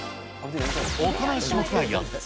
行う種目は４つ。